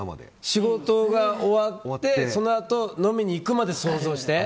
仕事が終わってそのあと飲みに行くまで想像して？